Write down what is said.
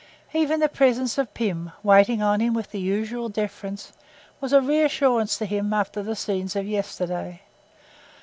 Even the presence of Pym, waiting on him with the usual deference, was a reassurance to him after the scenes of yesterday.